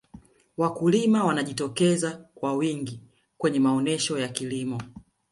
walikulima wanajitokeza kwa wingi kwenye maonesho ya kilimo